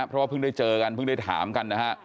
เพราะว่าเพิ่งได้เจอกันเพิ่งได้ถามกันนะฮะ